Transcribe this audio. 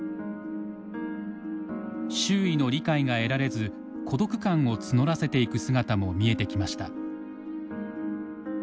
周囲の理解が得られず孤独感を募らせていく姿も見えてきました。